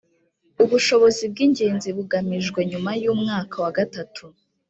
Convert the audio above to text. ubushobozi bw’ingenzi bugamijwe nyuma y’umwaka wa gatatu